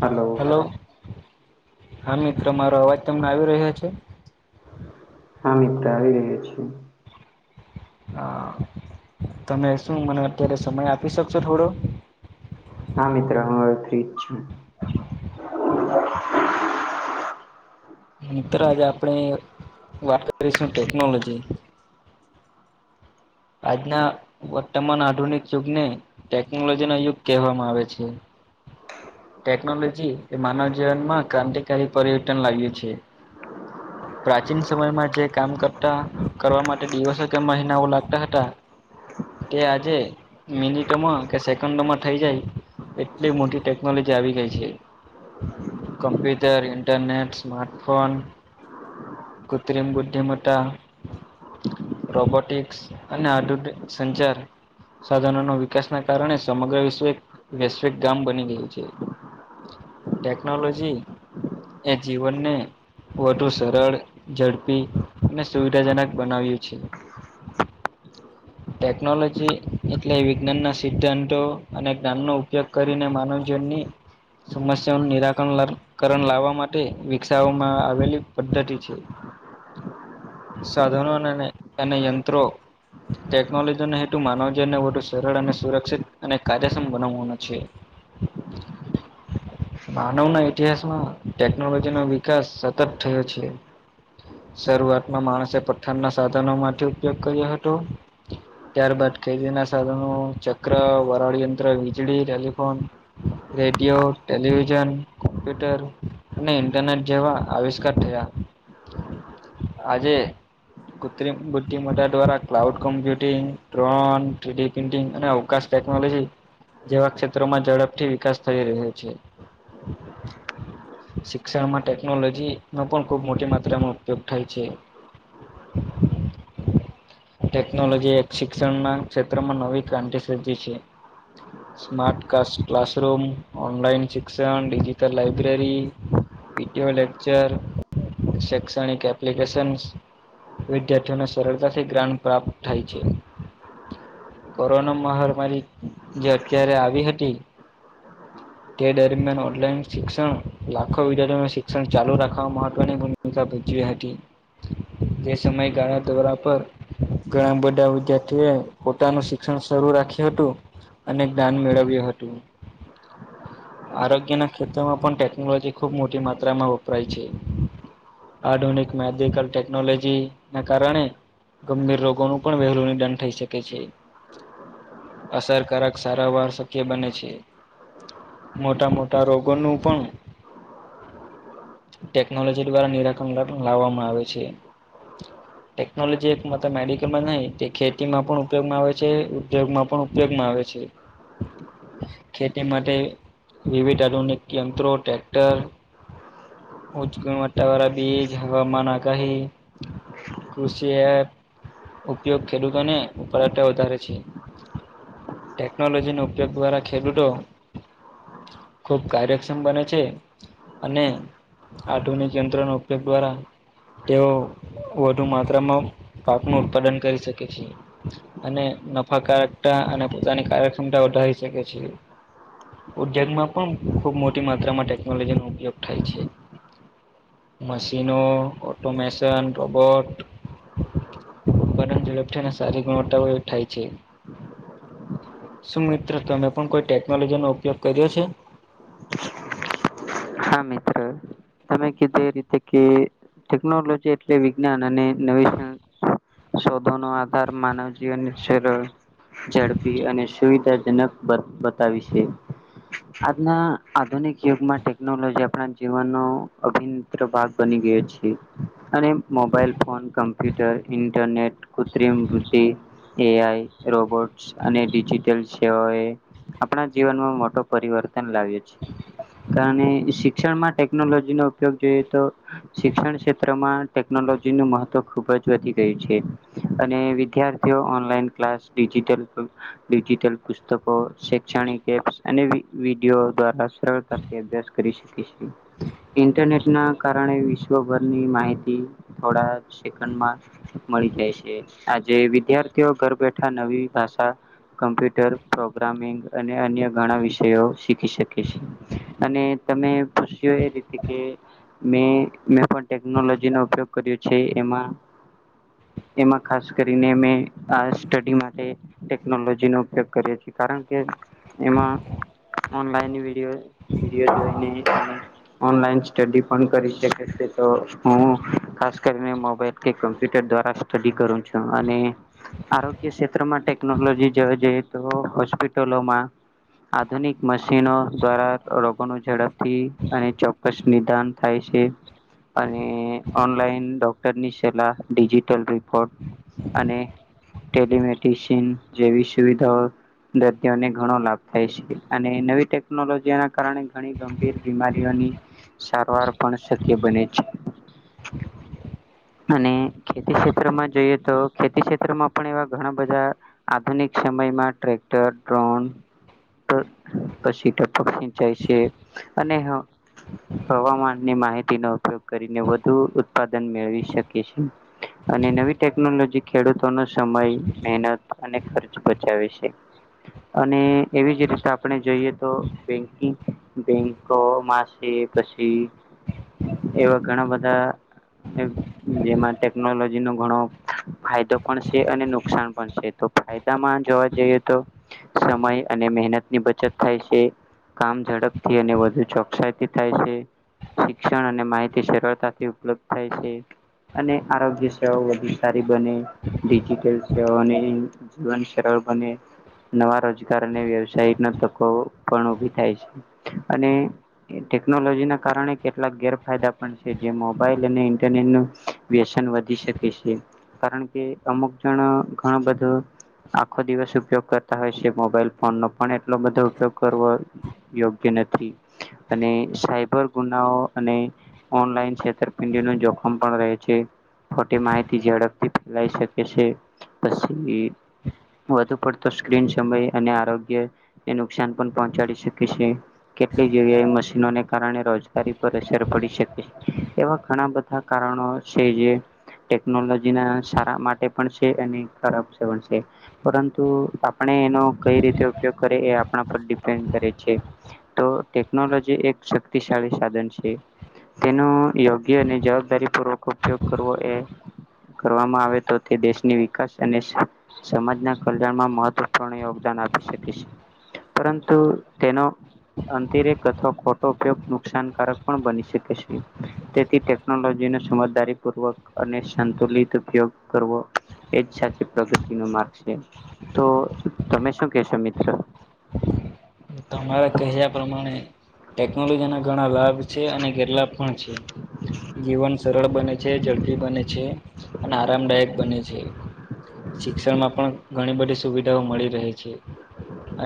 Hello. Hello હા મિત્ર મારો અવાજ તમને આવી રહ્યો છે. હા મિત્ર આવી રહ્યો છે. હા તમે શું મને અત્યારે સમય આપી શકશો થોડો. હા મિત્ર હું ફ્રી જ છું. મિત્ર આજે આપણેે વાત કરીશું ટેકનોલોજી. આજના વર્તમાન આધુનિક યુગને, ટેકનોલોજી નો યુગ કહેવામાં આવે છે. ટેકનોલોજી એ માનવ જીવન માં ક્રાંતિકારી પરિવર્તન લાયું છે. પ્રાચીન સમયમાં જે કામ કરતા કરવા માટે દિવસો કે મહિનાઓ લાગતા લાગતા હતા તે આજે મિનિટમાં કે સેકન્ડમાં થઇ જાય એટલી મોટી ટેકનોલોજી આવી ગઈ છે. કમ્પ્યુટર ઇન્ટરનેટ સ્માર્ટફોન કૃત્રિમ બુદ્ધિમતા રોબોટિક્સ અને આધુનિક સંચાર સાધનો ના વિકાસના કારણે સમગ્ર વિશ્વ એક વૈશ્વિક ગામ બની ગયું છે. ટેકનોલોજી એ જીવનને વધુ સરળ ઝડપી અને સુવિધાજનક બનાવ્યું છે. ટેકનોલોજી એટલે વિજ્ઞાન ના સિદ્ધાંતો અને જ્ઞાનનો ઉપયોગ કરીને માનવજનની સમસ્યા નિરાકણ લ કરણ લાવવા માટે વિકસાવવામાં આવેલી પદ્ધતિ છે. [inaudible] સાધનો અને યંત્રો ટેકનોલોજીને હેતુ માનવજીનને વધુ સરળ અને સુરક્ષિત અને કાજાસમ બનાવવાનો છે. [inaudible] માનવ ના ઈતિહાસમાં ટેકનોલોજી નો વિકાસ સતત થયો છે. શરૂઆતમાં માણસે પથ્થરના સાધનોમાંથી ઉપયોગ કર્યો હતો. ત્યારબાદ ખેતીના સાધનો ચક્ર વરાળ યંત્ર વીજળી ટેલિફોન રેડિયો ટેલીવિઝન કોમ્પ્યુટર અને ઇન્ટરનેટ જેવા આવિષ્કાર થયા. આજે કૃત્રિમ બુદ્ધિમ દ્વારા ક્લાઉડ કોમ્પ્યુટિંગ ડ્રોન ટડી પ્રિન્ટિંગ અને અવકાશ ટેકનોલોજી જેવા ક્ષેત્રોમાં ઝડપથી વિકાસ થઈ રહ્યો છે. [inaudible] શિક્ષણમાં ટેકનોલોજી નો પણ ખુબ મોટી માત્રામાં ઉપયોગ થાય છે. [inaudible] ટેકનોલોજી એક શિક્ષણ ના ક્ષેત્રમાં નવી ક્રાંતિ સર્જી છે. [inaudible] સ્માર્ટ કલાસરૂુમ ઓનલાઈન શિક્ષણ ડીજીિટલ લાઈબ્રેરી વિડીયો લેક્ચર શૈક્ષણિક એપ્લિકેશનસ વિદ્યાર્થીઓને સરળતાથી જ્ઞાન પ્રાપ્ત થાય છે. કોરોના મહામારી જે અત્યારે આવી હતી. [inaudible] તે દરમિયાન ઓનલાઈન શિક્ષણ લાખો વિદ્યાર્થીઓ શિક્ષણ ચાલુ રાખવાવામાં મહત્વની ભૂમિક ભજવી હતી જે સમયે ગાળ દોરા પર ઘણા બધા વિદ્યાર્થીએ પોતાનું શિક્ષણ શરૂુ રાખ્યું હતું. અને જ્ઞાન મેળવ્યું હતું. આરોગ્યના ખેતમાં પણ ટેકનોલોજી ખૂબ મોટી માત્રામાં વપરાય છે. આધુનિક મેડિકલ ટેકનોલોજી ના કારણે ગંભીર રોગોનું પણ વહેલુ દંડ થઈ શકે છે અસરકારક સારોવારસ કે બન છે. મોટા મોટા રોગો નું પણ ટેકનોલોજી દ્વારા નિરાકરણ લાવવામાં આવે છે. ટેકનોલોજી મેડિકલમાં નહી તે ખેતી માં પણ ઉપયોગમાં આવે છે ઉદ્યોગ માં પણ ઉપયોગમાં આવે છે. [inaudible] ખેતી માટે વિવિધ આધુનિક યંત્રો ટ્રેક્ટર ઉજક વાટાવાળ બીજ હવામાન આગાહી ખુશી હે ઉપયોગ ખેડૂતોને ઉપર વધારે છે ટેકનોલોજી નો ઉપયોગ દ્વારા ખેડૂતો ખુબ કાર્યક્ષમ બને છે અને આધુનિક યંત્ર નો ઉપયોગ દ્વારા તેઓ વધુ માત્રામાં પાક નું ઉત્પાદન કરી શકે છે અને નફાકારકતા અને પોતાની કાર્યક્ષમતા વધારી શકે છે ઉદ્યોગમાં પણ ખુબ મોટી માત્રામાં ટેકનોલોજીનો ઉપયોગ થાય છે મશીનો ઓટોમેશન રોબોટ ઉત્પાદન ઝડપ થાય ને સારી ગુણવત્તા વાળું થાય છે શું મિત્રો તમે પણ કોઈ ટેકનોલોજીનો ઉપયોગ કર્યો છે હા મિત્ર તમે કીધે એ રીતે કે ટેકનોલોજી એટલે વિજ્ઞાન અને નવી [unintelligible] શોધન આધાર માનવ જીવનની ઝડપી અને સુવિધાજનક [unintelligible] આજના આધુનિક યુગ માટે ટેકનોલોજી આપણા જીવનનો અભિનગ ભાગ બની ગયો છે અને મોબાઈલ ફોન કમ્પ્યુટર ઇન્ટરનેટ કૃત્રિમ બૃદ્ધિ એ આઈ રોબોટ્સ અને ડિજીિટલ સેવા એ આપણા જીવનમાં મોટો પરિવર્તન લાવ્યો છે કારણે શિક્ષણમાં ટેકનોલોજીનો ઉપયોગ જોઈએ તો શિક્ષણ ક્ષેત્રમાં ટેકનોલોજી નું મહત્વ ખુબ જ વધી ગયું છે અને વિધાર્થી થ ઓનલાઈન ક્લાસ ડિજિટલ ડિજિટલ પુસ્તકો શૈક્ષણિક એપ્સ અને વિડી વિડીયો દ્વારા સરળતાથી અભ્યાસ કરી શકેછે ઇન્ટરનેટ ના કારણે વિશ્વભરની માહિતી થોડા સેકન્ડમાં મળી જાય છે આજે વિદ્યાર્થીઓ ઘર બેઠા નવી ભાષા કમ્પ્યુટર પ્રોગ્રામિંગ અને અન્ય ઘણા વિષયો શીખી શકે છે અને તમે પૂછ્યું એ રીતે કે મેં મેં પણ ટેકનોલોજીનો ઉપયોગ કર્યું છે એમાં એમાં ખાસ કરીને મે આ સ્ટડી માટે ટેકનોલોજી નો ઉપયોગ કરીએ છીએ કારણ કે એમાં ઓનલાઈન વિડીયો વિડિયો જોઈને ઓનલાઈન સ્ટડી પણ કરી શકે છે તો હું ખાસ કરીને મોબાઈલ કમ્પ્યુટર દ્વારા સ્ટડી કરું છું અને આરોગ્ય ક્ષેત્રમાં ટેકનોલોજી જો જોઈએ તો હોસ્પિટલોમાં આધુનિક મશીનો દ્વારા રોગો નો ઝડપથી અને ચોક્કસ નિદાન થાય છે અને ઓનલાઈન ડોક્ટરની સલાહ ડિજિટલ રિપોર્ટ અને ટેલમેડિસન જેવી સુવિધાઓ દર્દીઓને ઘણો લાભ થાય છે અને નવી ટેકનોલોજીના કારણે ઘણી ગંભીર બીમારીઓની સારવાર પણ શક્ય બને છે. અને ખેતી ક્ષેત્રમાં જોઈએ તો ખેતી ક્ષેત્રમાં પણ એવા ઘણા બધા આધુનિક સમયમાં ટ્રેક્ટર ડ્રોન પણ પછી ટપક જાય છે અને હ હવામાનની માહિતીનો ઉપયોગ કરીને વધુ ઉત્પાદન મેળવી શકે અને નવી ટેકનોલોજી ખેડૂતોનો સમય મહેનત અને ખર્ચ બચાવે છે અને એવી જ રીતે આપણે જોઈએ તો બેંક બેંકોકમાંસે પછી એવા ઘણા બધા જેમાં ટેકનોલોજી નો ઘણો ફાયદો પણ છે અને નુકસાન પણ છે. તો ફાયદામાં જોવા જઈએ તો સમય અને મહેનત ની બચત થાય છે. કામ ઝડપથી અને વધુ ચોકસાઈથી થાય છે. શિક્ષણ અને માહિતી સરળતાથી ઉપલબ્ધ થાય છે. અને આરોગ્ય સેવાઓ વધુ સારી બને ડિજિટલ સેવાને જીવન સરળ બને નવા રોજગાર અને વ્યવસાય ના તકો પણ ઉભી થાય છે અને ટેકનોલોજી ના કારણે કેટલાક ગેરફાયદા પણ છે જે મોબાઈલ અને ઇન્ટરનેટ નું વ્યસન વધી શકે છે કારણ કે અમુક જણ ઘણ બધા આખો દિવસ ઉપયોગ કરતા હોય છે મોબાઈલ ફોન નો પણ એટલો બધો ઉપયોગ કરવો યોગ્ય નથી અને સાયબર ગુનાઓ અને ઓનલાઈન છેતરપિંડી નું જોખમ પણ રહે છે. ખોટી માહિતી ઝડપથી ફેલાઈ શકે છે પછી વધુ પડતો સ્ક્રીન સમય અને આરોગ્યને નુકસાન પણ પહોંચાડી શકે છે. કેટલી જગ્યા એ મશીનોને કારણે રોજગારી પર અસર પડી શકે એવા ઘણા બધા કારણો છે જે ટેકનોલોજી ના સારા માટે પણ છે અને ખરાબ પણ છે. પરંતુ આપણે એનો કઈ રીતે ઉપયોગ કરીે એ આપણા પર ડિપેન્ડ તો ટેકનોલોજી એક શક્તિશાળી સાધન છે. તેનો યોગ્ય અને જવાબદારી પૂર્વક ઉપયોગ કરવો એ કરવામાં આવે તો તે દેશની વિકાસ અને સમાજના કલ્યાણમાં મહત્વપૂર્ણ યોગદાન આપી શકે છે પરંતુ તેનો અંતિરેક અથવા ખોટો ઉપયોગ નુકસાનકારક પણ બની શકે છે. તેથી ટેકનોલોજી ન સમજદારી પૂર્વક અને સંતુલિત ઉપયોગ કરવો એજ સાચી પ્રગતિ ન માર્ગ છે તો તમે શું કેશો મિત્રો તમારા કહ્યા પ્રમાણે ટેકનોલોજી ના ઘણા લાભ છે અને કેટલા પણ છે જીવન સરળ બને છે ઝડપી બને છે. અને આરામદાયક બને છે. શિક્ષણમાં પણ ઘણી બધી સુવિધાઓ મળી રહે છે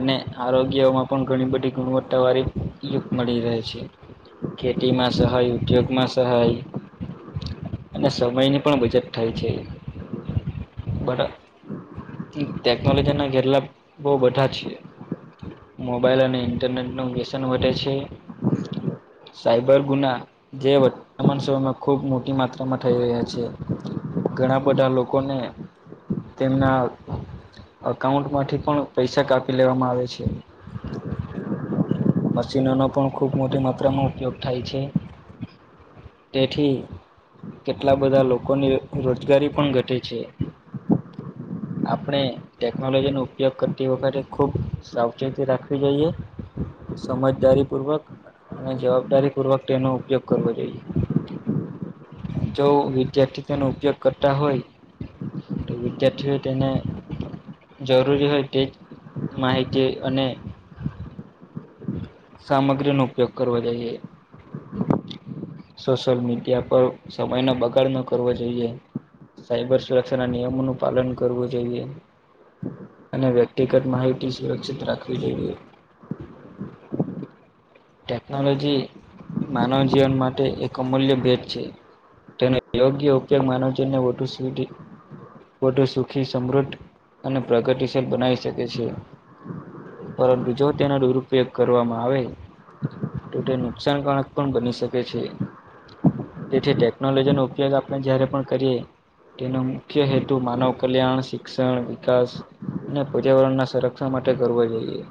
અને આરોગ્યમાં પણ ઘણી બધી ગુણવત્તા વારી યુગ મળી રહે છે. ખેતીટીમાંસહૈ ઉદ્યોગમાં સહાય અને સમયની પણ બચત થાય છે. બધા ટેકનોલોજી ના જેટલા બહ બધા છી. મોબાઈલ અને ઇન્ટરનેટ નું વ્યસન વધે છે સાયબર ગુના જે વર્તમાન સમયમાં ખુબ મોટી માત્રામાં થઈ રહ્યા છે. ઘણા બધા લોકોને તેમના અઉન્ટમાંથી પણ પૈસા કાપી લેવામાં આવે છે. મશીનોનો પણ ખૂબ મોટી માત્રામાં ઉપયોગ થાય છે. તેઠી કેટલા બધા લોકોની રોજગારી પણ ઘટે છે. આપણે ટેકનોલોજીનો ઉપયોગ કરતી વખતે ખૂબ સાવ ચે થી રાખવી જોઈએ સમજદારી પૂર્વક અને જવાબદારી પૂર્વક તેનો ઉપયોગ કરવો જોઈએ જો વિદ્યાર્થી તેનો ઉપયોગ કરતા હોય તો વિદ્યાર્થીઓ તેને જરૂરી હોય તે માહિતિત અને સામગ્રીનો ઉપયોગ કરવો જોઈએ સોશિયલ મીડિયા પર સમયનો બગાડ ન કરવો જોઈએ સાયબર સુરક્ષાના નિયમોનું પાલન કરવું જોઈએ અને વ્યક્તિગત માહિતી સુરક્ષિત રાખવી જોઈએ ટેકનોલોજી માનવ જીવન માટે એક અમૂલ્ય ભેદ છે તેનો યોગ્ય ઉપયોગ માનવજન ને વધુ સ્ધ વધુ સુખી સમૃદ્ધ અને પ્રગતિશીલ બનાવી શકે છે પરંતુ જો તેનો દુરુપયોગ કરવામાં આવે તો તે નુકસાનકારક પણ બની શકે છે તેથી ટેકનોલોજી નો ઉપયોગ આપણે જયારે પણ કરીએ તેનો મુખ્ય હેતુ માનવ કલ્યાણ શિક્ષણ વિકાસ અને પર્યાવરણ ના સંરક્ષણ માટે કરવાવ જોઈએ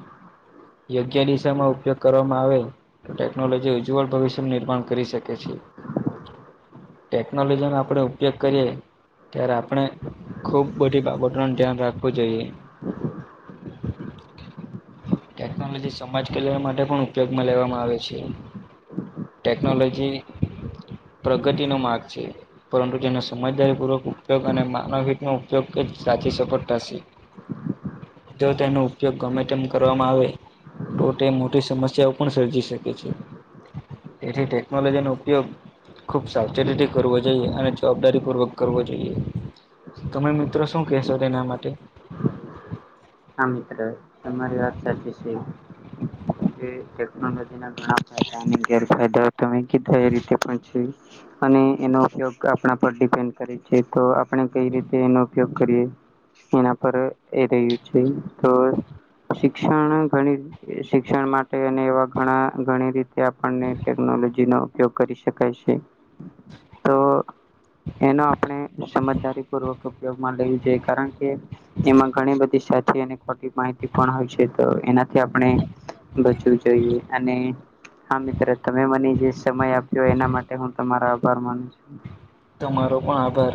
યોગ્ય દિશામાં ઉપયોગ કરવામાં આવે તો ટેકનોલોજી ઉજ્જવળ ભવિષ્યનું નિર્માણ કરી શકે છે ટેકનોલોજીનો આપણે ઉપયોગ કરીએ ત્યારે આપણે ખૂબ બધી બાબતોનું ધ્યાન રાખવું જોઈએ [inaudible] ટેકનોલોજી સમાજ કલ્યાણ માટે પણ ઉપયોગમાં લેવામાં આવે છે ટેકનોલોજી પ્રગતિ નો માર્ગ છે પરંતુ તેનો સમજદારીપૂર્વક ઉપયોગ અને માનવ હિતનો ઉપયોગ કે સાચી સફળતાશે [inaudible] જો તેનો ઉપયોગ ગમે તેમ કરવામાં આવે તો તે મોટી સમસ્યા પણ સર્જી શકે છે એથી ટેકનોલોજી નો ઉપયોગ ખૂબ સાવચેતીથી કરવો જોઈએ અને જવાબદારીપૂર્વક કરવો જોઈએ તમે મિત્રો શું કેહેશો તેના માટે હા મિત્ર તમારી વાત સાચી છે ટેકનોલોજી ના ઘણા ફાયદા ગેરફાયદા તમે કીધા એ રીતે પણ છે અને એનો ઉપયોગ આપણા પર ડિપેન્ડ કરે છે તો આપણે કઈ રીતે એનો ઉપયોગ કરીએ એના પર એ રહ્યું છે તો શિક્ષણ ઘણી શિક્ષણ માટે અને એવા ઘણા ઘણી રીતે આપણને ટેકનોલોજી નો ઉપયોગ કરી શકાય છે તો એનો આપણે સમજદારી પૂર્વક ઉપયોગમાં લેવું જોઈએ કારણ કે એમાં ઘણી બધી સાચી અને ખોટી માહિતી પણ હોય છે તો એનાથી આપણે બચવું જોઈએ અને હા મિત્ર તમે મને જે સમય આપ્યો એના માટે હું તમારો આભાર માનું છું તમારો પણ આભાર